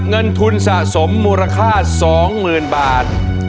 เงินทุนสะสมมูลค่า๒๐๐๐บาท